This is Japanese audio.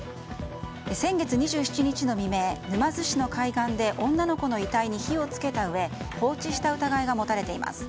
先月２７日の未明沼津市の海岸で女の子の遺体に火を付けたうえ放置した疑いが持たれています。